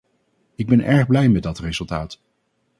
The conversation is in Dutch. Ik ben erg blij met dat resultaat.